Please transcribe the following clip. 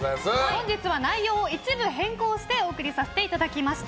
本日は内容を一部変更してお送りさせていただきました。